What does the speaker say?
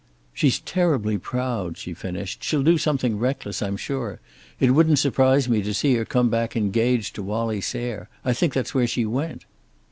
"She's terribly proud," she finished. "She'll do something reckless, I'm sure. It wouldn't surprise me to see her come back engaged to Wallie Sayre. I think that's where she went."